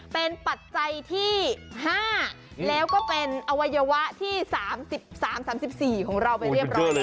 เป็นปัจจัยที่๕แล้วก็เป็นอวัยวะที่๓๓๔ของเราไปเรียบร้อยแล้ว